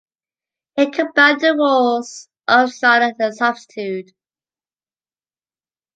He combined the roles of starter and substitute.